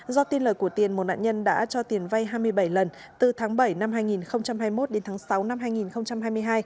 do tin lời của tiền một nạn nhân đã cho tiền vay hai mươi bảy lần từ tháng bảy năm hai nghìn hai mươi một đến tháng sáu năm hai nghìn hai mươi hai